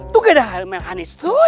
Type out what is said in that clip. tuh gak ada hal mekanis tuh